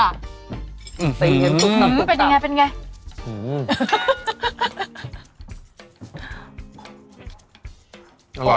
เป็นไง